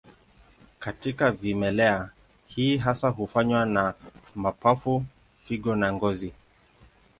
Katika vimelea, hii hasa hufanywa na mapafu, figo na ngozi.